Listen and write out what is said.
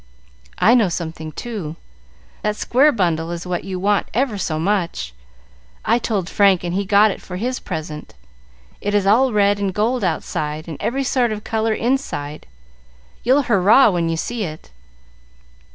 "I know something, too. That square bundle is what you want ever so much. I told Frank, and he got it for his present. It is all red and gold outside, and every sort of color inside; you'll hurrah when you see it.